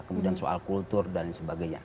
kemudian soal kultur dan sebagainya